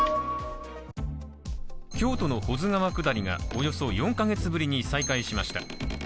京都の保津川下りがおよそ４か月ぶりに再開しました。